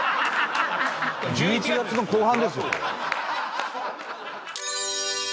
１１月の後半ですよ。